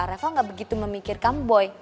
reva gak begitu memikirkan boy